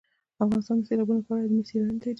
افغانستان د سیلابونه په اړه علمي څېړنې لري.